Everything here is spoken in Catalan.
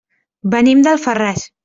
Venim d'Alfarràs.